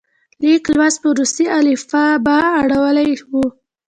لیک لوست په روسي الفبا اړولی وو.